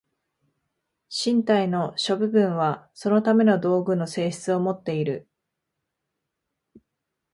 身体の諸部分はそのための道具の性質をもっている。